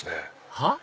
はっ？